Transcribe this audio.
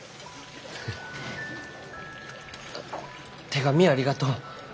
手紙ありがとう。